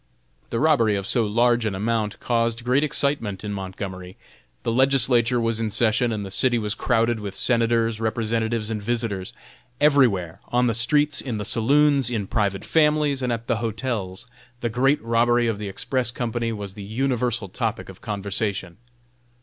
The robbery of so large an amount caused great excitement in Montgomery. The legislature was in session, and the city was crowded with senators, representatives and visitors. Everywhere, on the streets, in the saloons, in private families, and at the hotels, the great robbery of the Express Company was the universal topic of conversation.